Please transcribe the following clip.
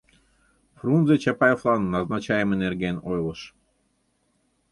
Фрунзе Чапаевлан назначайыме нерген ойлыш.